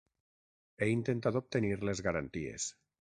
He intentat obtenir les garanties.